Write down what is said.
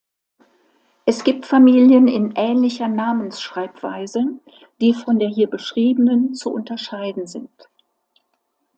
Es gibt Familien in ähnlicher Namensschreibweise, die von der hier beschriebenen zu unterscheiden sind.